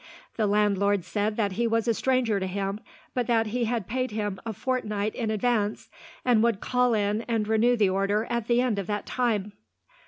The landlord said that he was a stranger to him, but that he had paid him a fortnight in advance, and would call in and renew the order, at the end of that time."